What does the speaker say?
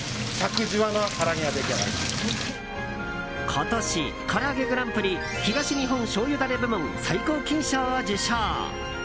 今年、からあげグランプリ東日本しょうゆダレ部門最高金賞を受賞！